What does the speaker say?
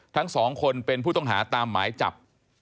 ทั้งสองคนเป็นผู้ต้องหาตามหมายจับ